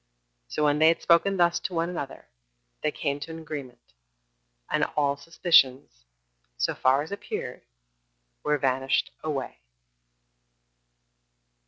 So when they had spoken thus to one another, they came to an agreement, and all suspicions, so far as appeared, were vanished away.